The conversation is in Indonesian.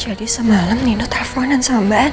jadi semalam nino telfonan sama mbak anin